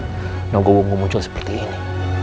terdapat apa disini